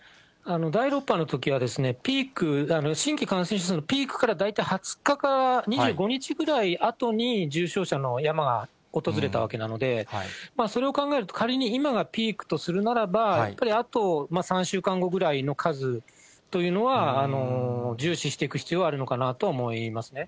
第６波のときは、ピーク、新規感染者のピークから大体２０日から２５日ぐらいあとに重症者の山が訪れたわけなので、それを考えると、仮に今がピークとするならば、やっぱりあと３週間後ぐらいの数というのは、重視していく必要はあるのかなと思いますね。